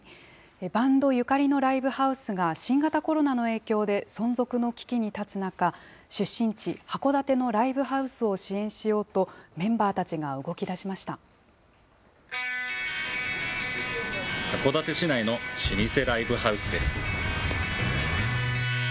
バンドゆかりのライブハウスが新型コロナの影響で存続の危機に立つ中、出身地、函館のライブハウスを支援しようと、メンバーたち函館市内の老舗ライブハウスです。